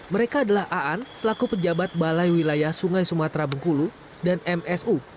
mereka adalah aan selaku pejabat balai wilayah sungai sumatera bengkulu dan msu